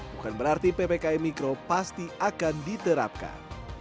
bukan berarti ppkm mikro pasti akan diterapkan